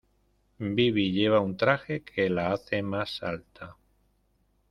Bibi lleva un traje que la hace más alta.